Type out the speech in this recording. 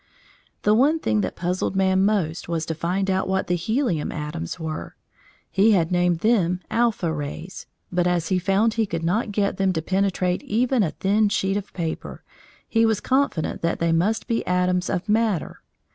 The one thing that puzzled man most was to find out what the helium atoms were. He had named them alpha rays, but as he found he could not get them to penetrate even a thin sheet of paper, he was confident that they must be atoms of matter.